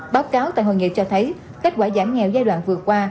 báo cáo tại hội nghị cho thấy kết quả giảm nghèo giai đoạn vừa qua